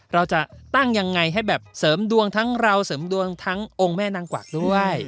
เราจะตั้งยังไงให้แบบเสริมดวงทั้งเราเสริมดวงทั้งองค์แม่นางกวักด้วย